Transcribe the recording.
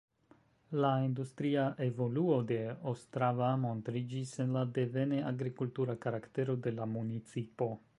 La industria evoluo de Ostrava montriĝis en la devene agrikultura karaktero de la municipo.